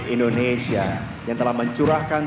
indonesia yang telah mencurahkan